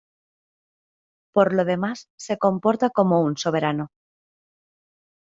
Por lo demás se comporta como un soberano.